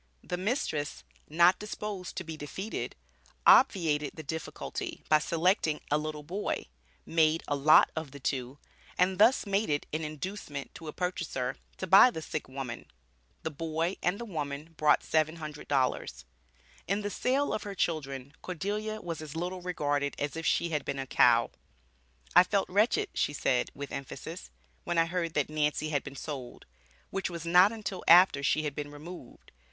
The mistress, not disposed to be defeated, obviated the difficulty by selecting a little boy, made a lot of the two, and thus made it an inducement to a purchaser to buy the sick woman; the boy and the woman brought $700. In the sale of her children, Cordelia was as little regarded as if she had been a cow. "I felt wretched," she said, with emphasis, "when I heard that Nancy had been sold," which was not until after she had been removed.